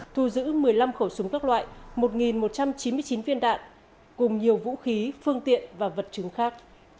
thu giữ một mươi năm khẩu súng các loại một một trăm chín mươi chín viên đạn cùng nhiều vũ khí phương tiện và vật chứng khác